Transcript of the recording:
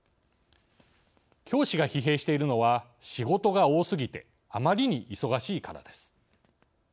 教師が疲弊しているのは仕事が多すぎてあまりに忙しいからです。